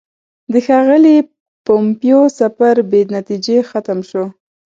د ښاغلي پومپیو سفر بې نتیجې ختم شو.